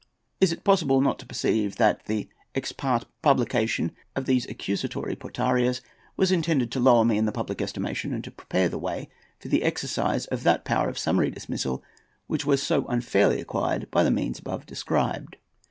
Is it possible not to perceive that the ex parte publication of these accusatory portarias was intended to lower me in the public estimation, and to prepare the way for the exercise of that power of summary dismissal which was so unfairly acquired by the means above described?